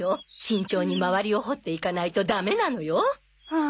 慎重に周りを掘っていかないとダメなのよ。は